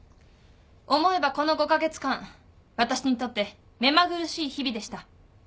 思えばこの５カ月間私にとって目まぐるしい日々でした。